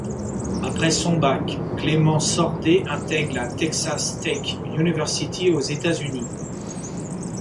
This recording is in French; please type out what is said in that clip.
Après son bac, Clément Sordet intègre la Texas Tech University aux États-Unis.